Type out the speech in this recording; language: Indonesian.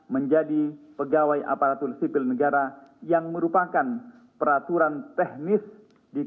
menjadi pegawai aparatur sipil negara yang merupakan peraturan teknis di kpk